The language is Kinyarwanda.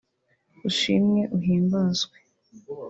Ushimwe uhimbazwe